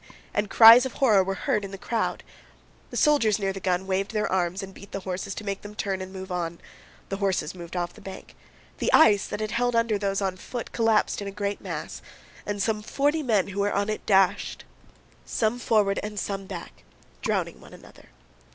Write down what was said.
And cries of horror were heard in the crowd. The soldiers near the gun waved their arms and beat the horses to make them turn and move on. The horses moved off the bank. The ice, that had held under those on foot, collapsed in a great mass, and some forty men who were on it dashed, some forward and some back, drowning one another.